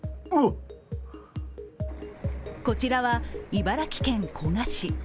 こちらは、茨城県古河市。